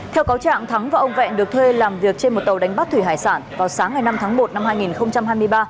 theo cáo trạng thắng và ông vẹn được thuê làm việc trên một tàu đánh bắt thủy hải sản vào sáng ngày năm tháng một năm hai nghìn hai mươi ba